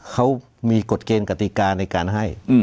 เขามีกฎเกณฑ์กติกาในการให้